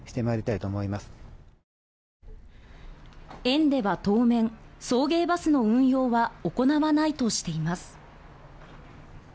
園では当面、送迎バスの運用は行わないとしています。